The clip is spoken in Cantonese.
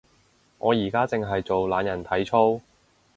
我而家淨係做懶人體操